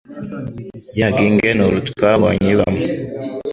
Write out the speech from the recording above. ya gingenol twabonye ibamo